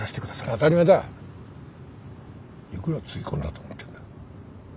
いくらつぎ込んだと思ってるんだ。